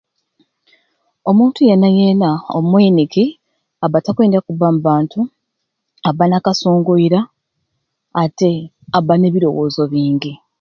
Omuntu yena yena omweniki ana takwendya kuba mu bantu aba nakasunguyira ate aba nebirowozo bingi